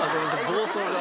暴走が。